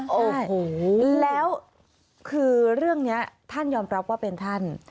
โอ้โหแล้วคือเรื่องนี้ท่านยอมรับว่าเป็นท่าน